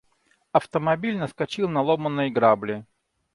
Автомобиль наскочил на ломанные грабли.